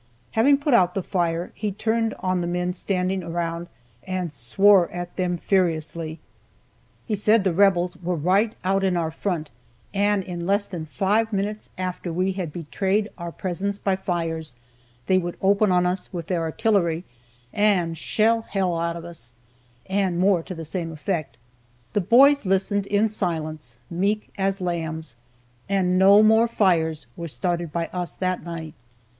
Having put out the fire, he turned on the men standing around, and swore at them furiously. He said that the rebels were right out in our front, and in less than five minutes after we had betrayed our presence by fires, they would open on us with artillery, and "shell hell out of us;" and more to the same effect. The boys listened in silence, meek as lambs, and no more fires were started by us that night.